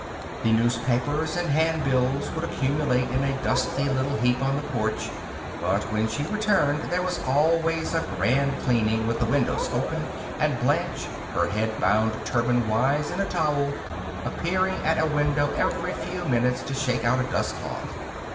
The newspapers and handbills would accumulate in a dusty little heap on the porch; but when she returned there was always a grand cleaning, with the windows open, and Blanche her head bound turbanwise in a towel appearing at a window every few minutes to shake out a dustcloth.